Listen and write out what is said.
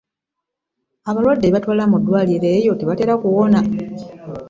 Abalwadde be batwala mu ddwaliro eryo tebatera kuwona.